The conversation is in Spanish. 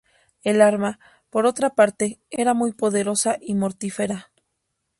El arma, por otra parte, era muy poderosa y mortífera.